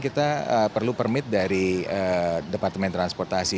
kita perlu permit dari departemen transportasi